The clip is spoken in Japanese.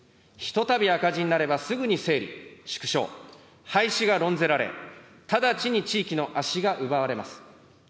ひとたび赤字になればすぐに整理、縮小、廃止が論ぜられ、直ちに地域の足が奪われます。